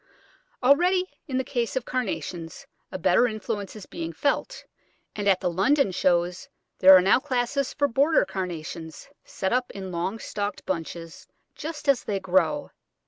Already in the case of Carnations a better influence is being felt, and at the London shows there are now classes for border Carnations set up in long stalked bunches just as they grow.